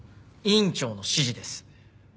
院長の指示です。